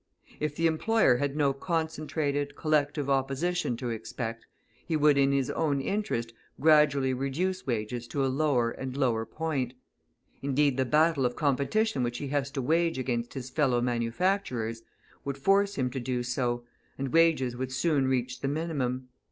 If the employer had no concentrated, collective opposition to expect, he would in his own interest gradually reduce wages to a lower and lower point; indeed, the battle of competition which he has to wage against his fellow manufacturers would force him to do so, and wages would soon reach the minimum.